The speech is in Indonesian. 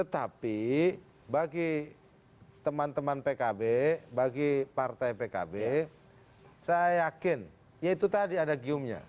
tapi bagi teman teman pkb bagi partai pkb saya yakin ya itu tadi ada giumnya